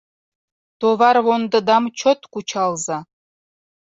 Товарвондыдам чот кучалза.